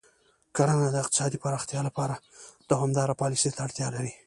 کرنه د اقتصادي پراختیا لپاره دوامداره پالیسۍ ته اړتیا لري.